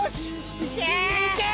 いけ！